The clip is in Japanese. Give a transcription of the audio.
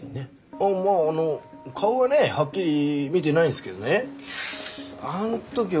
あっまああの顔はねはっきり見てないんですけどねあん時はえっ？